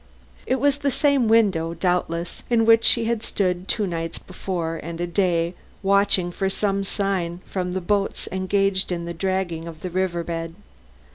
It was the same window, doubtless, in which she had stood for two nights and a day watching for some sign from the boats engaged in dragging the river bed.